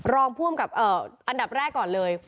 รองผู้อำกับอันดับแรกก่อนเลย